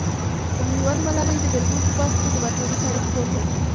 د ميوند ملالي د مېرمنو په برخه کي د باتورئ تاريخ جوړ کړ .